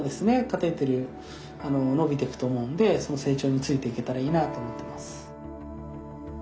カテーテル伸びていくと思うんでその成長についていけたらいいなと思ってます。